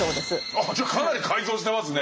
あじゃあかなり改造してますね？